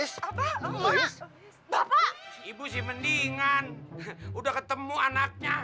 susah diatur pak